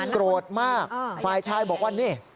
โกรธมากฝ่ายชายบอกว่านี่